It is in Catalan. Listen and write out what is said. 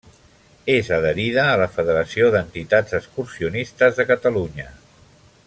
És adherida a la Federació d'Entitats Excursionistes de Catalunya.